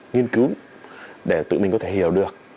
nghiên cứu để tự mình có thể hiểu được